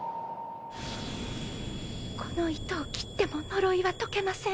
この糸を切っても呪いは解けません。